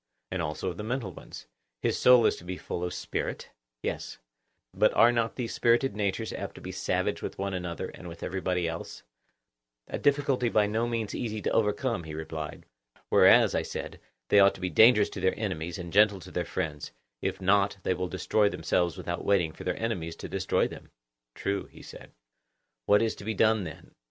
And also of the mental ones; his soul is to be full of spirit? Yes. But are not these spirited natures apt to be savage with one another, and with everybody else? A difficulty by no means easy to overcome, he replied. Whereas, I said, they ought to be dangerous to their enemies, and gentle to their friends; if not, they will destroy themselves without waiting for their enemies to destroy them. True, he said. What is to be done then?